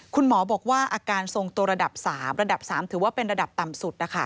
คุณหมอบอกว่าอาการทรงตัวระดับ๓ระดับ๓ถือว่าเป็นระดับต่ำสุด